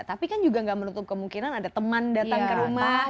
tapi kan juga nggak menutup kemungkinan ada teman datang ke rumah